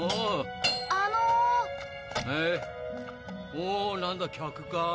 おおなんだ客か？